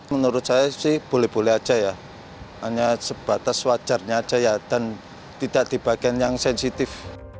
menurut saya sih boleh boleh aja ya hanya sebatas wajarnya aja ya dan tidak di bagian yang sensitif